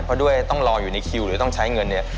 เพราะด้วยต้องรออยู่ในคิวหรือต้องใช้เงินเนี่ย